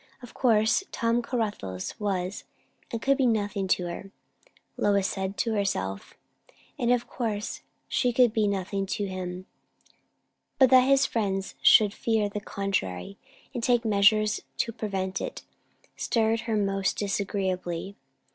Of course Tom Caruthers was and could be nothing to her, Lois said to herself; and of course she could be nothing to him; but that his friends should fear the contrary and take measures to prevent it, stirred her most disagreeably.